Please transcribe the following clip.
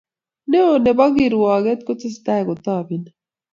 Neo nebo kirwoket kotesetai kotobeni,